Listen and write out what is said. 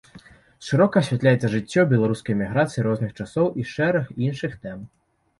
Шырока асвятляецца жыццё беларускай эміграцыі розных часоў і шэраг іншых тэм.